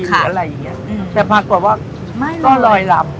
แต่ภาคบอกว่าก็ลอยละ